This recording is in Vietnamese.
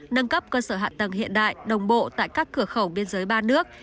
nâng cấp cơ sở hạ tầng hiện đại đồng bộ tại các cửa khẩu biên giới ba nước